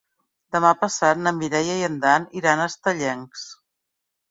Demà passat na Mireia i en Dan iran a Estellencs.